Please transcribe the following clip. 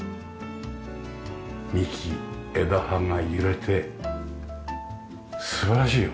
幹枝葉が揺れて素晴らしいよ。